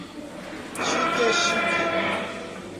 Xique-Xique